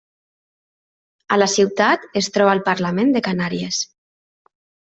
A la ciutat es troba el Parlament de Canàries.